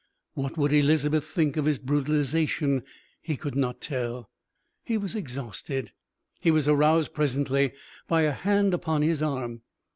What would Elizabeth think of his brutalisation? He could not tell. He was exhausted. He was aroused presently by a hand upon his arm.